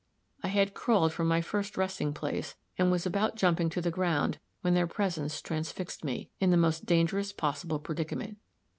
I had crawled from my first resting place, and was about jumping to the ground, when their presence transfixed me, in the most dangerous possible predicament.